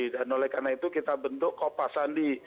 dan oleh karena itu kita bentuk kopas sandi